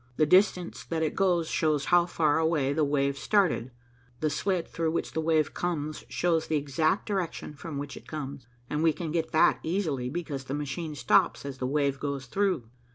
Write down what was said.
The distance that it goes shows how far away the wave started. The slit through which the wave comes shows the exact direction from which it comes, and we can get that easily because the machine stops as the wave goes through.